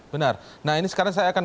benar nah ini sekarang saya akan